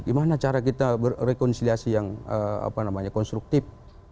gimana cara kita berrekonsiliasi yang konstruktif